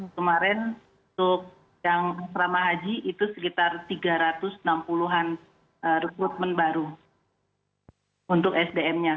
kemarin untuk yang asrama haji itu sekitar tiga ratus enam puluh an rekrutmen baru untuk sdm nya